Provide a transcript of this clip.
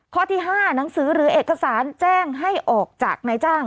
ข้อที่๕หนังสือหรือเอกสารแจ้งให้ออกจากนายจ้าง